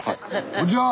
・こんにちは。